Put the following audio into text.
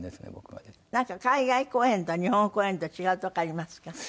なんか海外公演と日本公演と違うとこありますか？